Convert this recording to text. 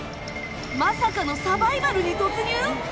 まさかのサバイバルに突入！？